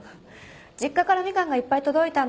実家からミカンがいっぱい届いたの。